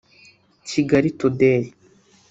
Kigali Today